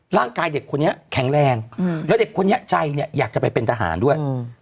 แล้วเด็กคนนี้ใจอยากจะไปเป็นทหารด้วย